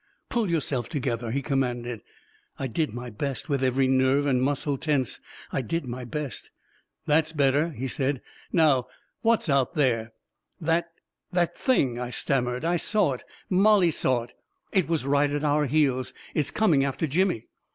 " Pull yourself together !" he commanded. I did my best — with every nerve and muscle tense, I did my best. " That's better 1 " he said. " Now — what's out there?" " That — that thing 1 " I stammered. " I saw it — Mollie saw it ! It was right at our heels I It's coming after Jimmy!